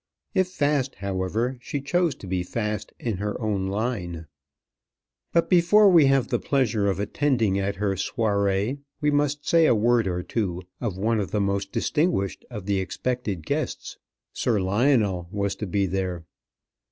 If fast, however, she chose to be fast in her own line. But before we have the pleasure of attending at her soirée, we must say a word or two of one of the most distinguished of the expected guests. Sir Lionel was to be there.